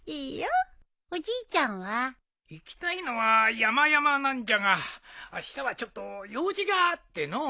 行きたいのはやまやまなんじゃがあしたはちょっと用事があっての。